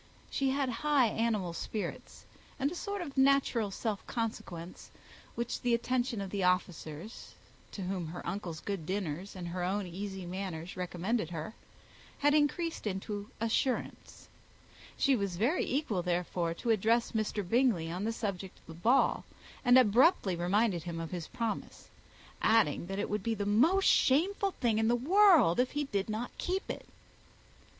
She had high animal spirits, and a sort of natural self consequence, which the attentions of the officers, to whom her uncle's good dinners and her own easy manners recommended her, had increased into assurance. She was very equal, therefore, to address Mr. Bingley on the subject of the ball, and abruptly reminded him of his promise; adding, that it would be the most shameful thing in the world if he did not keep it.